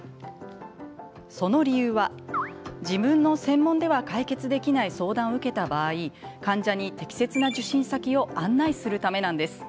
その理由は、自分の専門では解決できない相談を受けた場合患者に適切な受診先を案内するためなんです。